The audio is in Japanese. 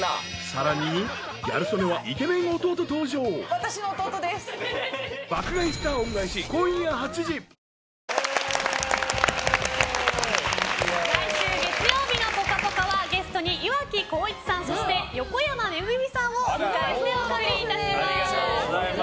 わかるぞ来週月曜日の「ぽかぽか」はゲストに岩城滉一さんそして横山めぐみさんをお迎えしてお送りいたします。